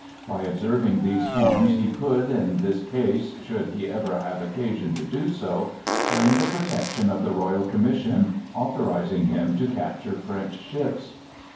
By observing these forms he could, in this case, should he ever have occasion to do so, claim the protection of the royal commission authorizing him to capture French ships.